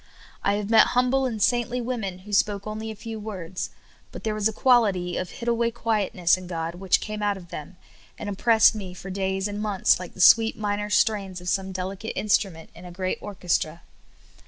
I have met humble and saintly women, who spoke only a few^ words ; but there was a quality of hid away quietness in God which came out of them, and im pressed me for days and months like the sweet minor strains of some delicate instrument in a great or chestra.